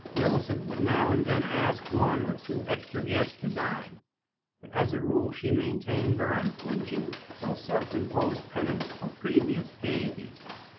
Millicent would now and then ask one or two extra guests to dine, but as a rule she maintained her unflinching though self imposed penance for previous gayety.